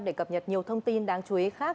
để cập nhật nhiều thông tin đáng chú ý khác